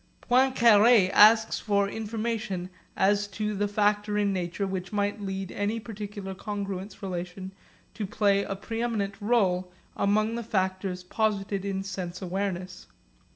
Poincaré asks for information as to the factor in nature which might lead any particular congruence relation to play a preeminent rôle among the factors posited in sense awareness.